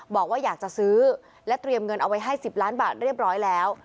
บอกว่าอยากจะซื้อและเตรียมเงินเอาไว้ให้๑๐ล้านบาทเรียบร้อยแล้ว